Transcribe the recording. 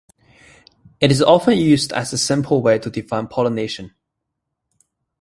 It is often used as a simple way to define Polynesia.